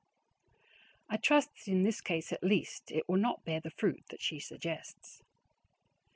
I trust that in this case at least, it will not bear the fruit that she suggests.